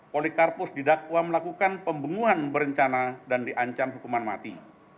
polikarpus didakwa melakukan pembunuhan berencana dan diancam hukuman mati